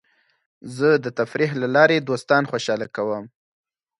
زه د تفریح له لارې دوستان خوشحاله کوم.